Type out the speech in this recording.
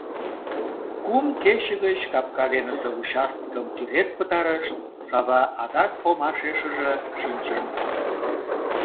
Кум кече гыч капка денысе участкым тӱред пытарышт, Сава адак омашешыже шинчен кодо.